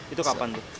itu kapan tuh